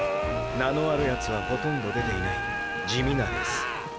名のあるヤツはほとんど出ていない地味なレース。